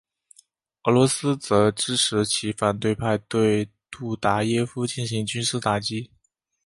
俄罗斯则支持其反对派对杜达耶夫进行军事打击。